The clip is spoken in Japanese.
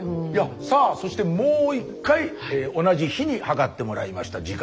さあそしてもう一回同じ日に測ってもらいました。